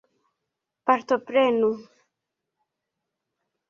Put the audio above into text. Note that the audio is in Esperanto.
Partoprenu!